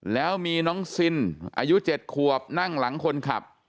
แล้วมีน้องซินอายุ๗ขวบนั่งหลังคนขับ